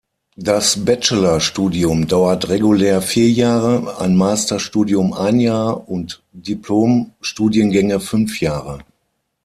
Das Bachelorstudium dauert regulär vier Jahre, ein Masterstudium ein Jahr und Diplomstudiengänge fünf Jahre.